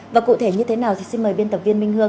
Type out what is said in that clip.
và cụ thể như thế nào thì xin mời biên tập viên minh hương